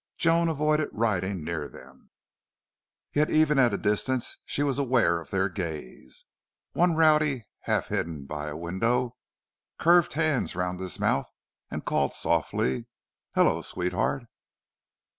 Joan avoided riding near them, yet even at a distance she was aware of their gaze. One rowdy, half hidden by a window, curved hands round his mouth and called, softly, "Hullo, sweetheart!"